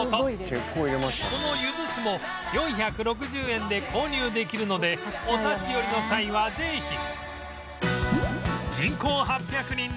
このゆず酢も４６０円で購入できるのでお立ち寄りの際はぜひ